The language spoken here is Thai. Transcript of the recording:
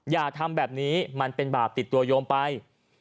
อย่าทำแบบนี้มันเป็นบาปติดตัวโยมไป